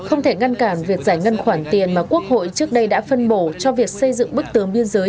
không thể ngăn cản việc giải ngân khoản tiền mà quốc hội trước đây đã phân bổ cho việc xây dựng bức tường biên giới